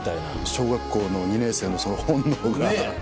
小学校２年生のその本能が。ねぇ！